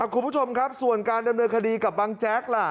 คุณผู้ชมครับส่วนการดำเนินคดีกับบังแจ๊กล่ะ